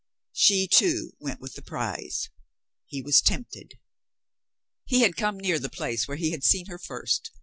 She, too, v/ent with the prize. He was tempted. He had come near the place where he had seen her first.